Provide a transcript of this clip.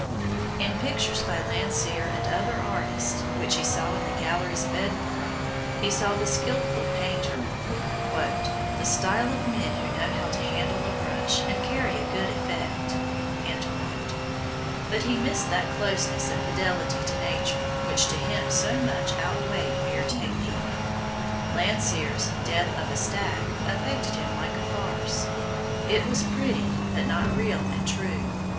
In pictures by Landseer and other artists which he saw in the galleries of Edinburgh, he saw the skilful painter, "the style of men who know how to handle a brush, and carry a good effect," but he missed that closeness and fidelity to Nature which to him so much outweighed mere technique. Landseer's "Death of a Stag" affected him like a farce. It was pretty, but not real and true.